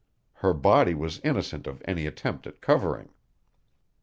Her body was innocent of any attempt at covering.